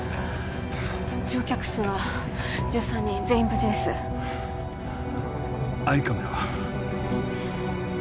乗客数は１３人全員無事ですアイカメラは？